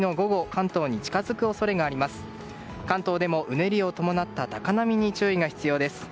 関東でも、うねりを伴った高波に注意が必要です。